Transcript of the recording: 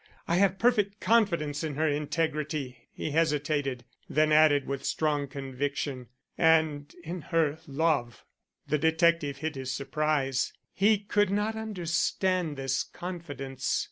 I have perfect confidence in her integrity" he hesitated, then added with strong conviction "and in her love." The detective hid his surprise. He could not understand this confidence.